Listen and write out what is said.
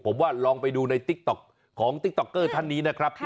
ผมว่าลองไปดูในติ๊กต๊อกของติ๊กต๊อกเกอร์ท่านนี้นะครับ